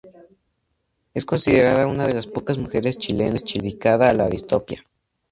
Es considerada una de las pocas mujeres chilenas dedicada a la distopía.